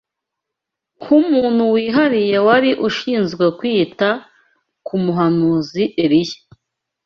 Nk’umuntu wihariye wari ushinzwe kwita ku muhanuzi Eliya